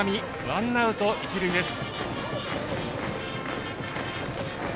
ワンアウト、一塁です。